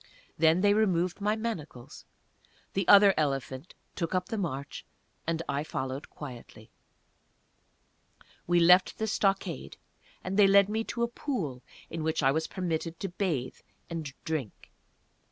Then they removed my manacles; the other elephant took up the march, and I followed quietly. We left the stockade, and they led me to a pool in which I was permitted to bathe and drink.